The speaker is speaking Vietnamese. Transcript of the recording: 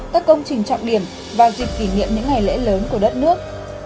các công trình trọng điểm và dịp kỷ niệm những ngày lễ lớn của đất nước